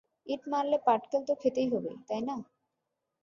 ইট মারলে পাটকেল তো খেতেই হবে, তাই না?